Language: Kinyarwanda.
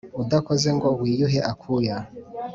Udakoze ngo wiyuhe akuye